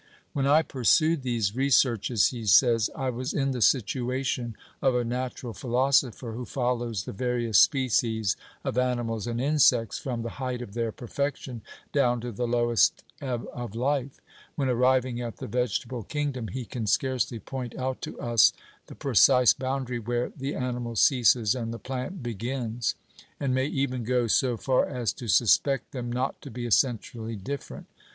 "When I pursued these researches," he says, "I was in the situation of a natural philosopher who follows the various species of animals and insects from the height of their perfection down to the lowest ebb of life; when, arriving at the vegetable kingdom, he can scarcely point out to us the precise boundary where the animal ceases and the plant begins; and may even go so far as to suspect them not to be essentially different.